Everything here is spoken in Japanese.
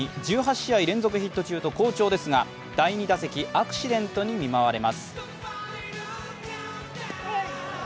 １８試合連続ヒット中と好調ですが、第２打席、アクシデントに見舞われます。